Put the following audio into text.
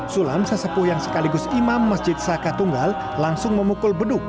sulam sesepuh yang sekaligus imam masjid saka tunggal langsung memukul beduk